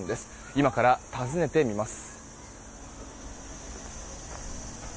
今から訪ねてみます。